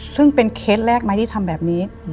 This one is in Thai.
ซึ่งเป็นเคสแรกไหมที่ทำแบบนี้